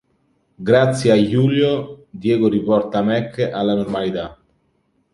Grazie a Julio, Diego riporta Mac alla normalità.